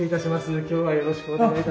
今日はよろしくお願いいたします。